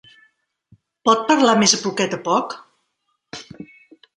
Pot parlar més a poquet a poc?